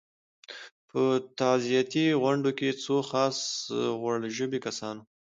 په تعزیتي غونډو کې څو خاص غوړ ژبي کسان وو.